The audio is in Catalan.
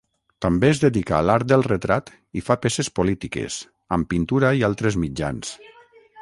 També es dedica a l'art del retrat i fa peces polítiques, amb pintura i altres mitjans.